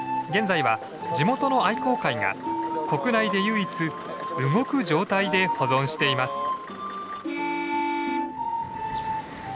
現在は地元の愛好会が国内で唯一動く状態で保存しています。